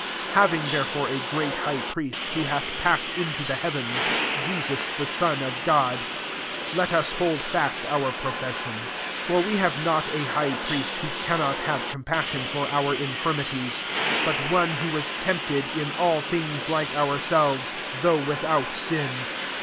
14 Having therefore a great High priest, who hath passed into the heavens, Jesus the Son of God, let us hold fast our profession. 15 For we have not a High priest who cannot have compassion for our infii'mities ; but one who was tempted in all tlunga like ourselves, though without sin.